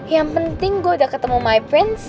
yang penting gue udah ketemu my prince